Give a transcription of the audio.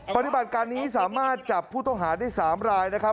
ปฏิบัติการนี้สามารถจับผู้ต้องหาได้๓รายนะครับ